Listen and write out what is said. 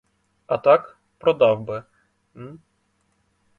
А так, продав би-м.